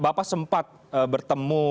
bapak sempat bertemu